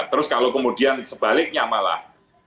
terus kalau kemudian sebaliknya malah